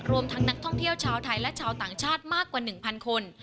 รวมทั้งนักท่องเที่ยวชาวไทยและชาวต่างชาติมากกว่า๑๐๐คน